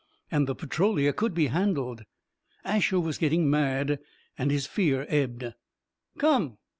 And the Petrolia could be handled. Asher was getting mad, and his fear ebbed. "Come."